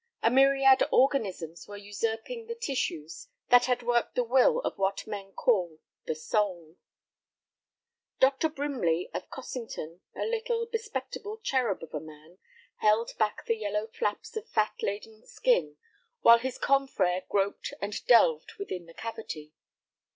A myriad organisms were usurping the tissues that had worked the will of what men call "the soul." Dr. Brimley, of Cossington, a little, spectacled cherub of a man, held back the yellow flaps of fat laden skin while his confrère groped and delved within the cavity.